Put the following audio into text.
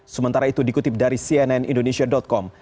sementara itu dikutip dari cnn indonesia com